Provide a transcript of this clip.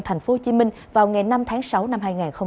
tp hcm vào ngày năm tháng sáu năm hai nghìn hai mươi